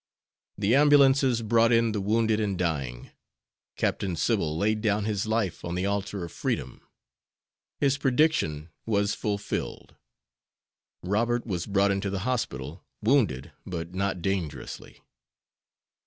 The ambulances brought in the wounded and dying. Captain Sybil laid down his life on the altar of freedom. His prediction was fulfilled. Robert was brought into the hospital, wounded, but not dangerously.